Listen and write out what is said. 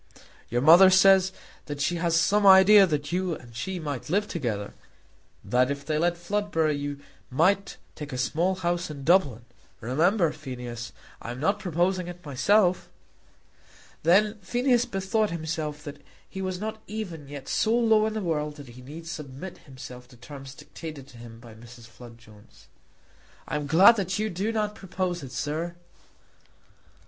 "Your mother says that she has some idea that you and she might live together; that if they let Floodborough you might take a small house in Dublin. Remember, Phineas, I am not proposing it myself." Then Phineas bethought himself that he was not even yet so low in the world that he need submit himself to terms dictated to him by Mrs. Flood Jones. "I am glad that you do not propose it, sir."